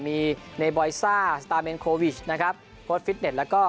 มีเนบอยซ่าสตาร์เมนโควิชนะครับโค้ดฟิตเน็ตแล้วก็